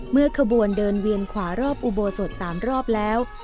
ขบวนเดินเวียนขวารอบอุโบสถ๓รอบแล้ว